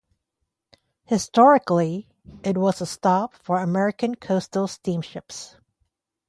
Historically it was a stop for American coastal steam ships.